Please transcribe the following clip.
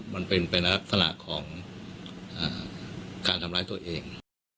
มันเป็นไปลักษณะของการทำร้ายตัวเอง